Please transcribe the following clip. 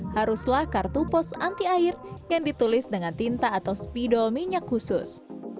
haruslah kartu pos anti air yang ditulis dengan tinta atau spidol minyak khusus